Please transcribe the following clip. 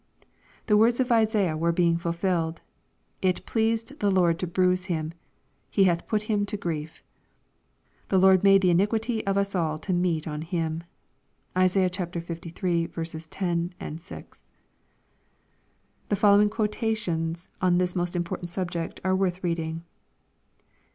The words of Isaiah were being ful filled:— "It pleased the Lord to bruise Him ; He hath put Him to grief." —" The Lord made the iniquity of us all to meet on Him." (Isai. lUi. 10, 6.) The following quotations on this most important subject are worth reading.